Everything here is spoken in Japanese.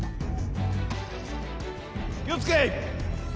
気を付け！